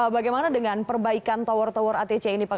bagaimana dengan perbaikan tower tower atc ini pak